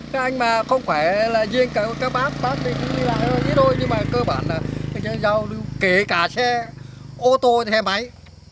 các anh mà không khỏe là duyên cả các bác bác đi đi lại thôi ít thôi nhưng mà cơ bản là giao lưu kể cả xe ô tô hay máy